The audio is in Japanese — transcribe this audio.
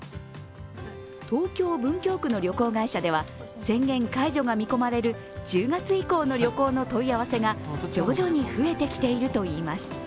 東京・文京区の旅行会社では、宣言解除が見込まれる１０月以降の旅行の問い合わせが徐々に増えてきているといいます。